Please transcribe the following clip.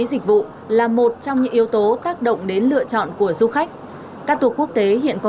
dịch vụ là một trong những yếu tố tác động đến lựa chọn của du khách các tour quốc tế hiện có